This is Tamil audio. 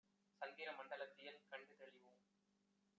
சந்திரமண் டலத்தியல் கண்டுதெளி வோம்